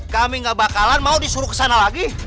kami gak bakalan mau disuruh kesana lagi